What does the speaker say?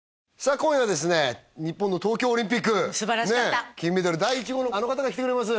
今夜はですね日本の東京オリンピック素晴らしかった金メダル第１号のあの方が来てくれます